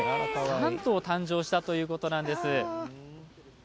３頭誕生したということなんです。